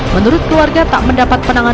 menurut keluarga tak mendapat penanganan